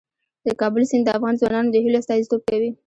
د کابل سیند د افغان ځوانانو د هیلو استازیتوب کوي.